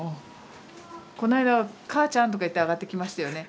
この間母ちゃんとか言って上がってきましたよね。